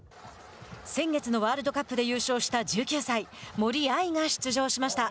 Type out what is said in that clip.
先月のワールドカップで優勝した１９歳、森秋彩が出場しました。